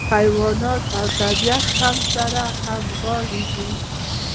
حیوانات او طبیعت هم سره همغاړي دي.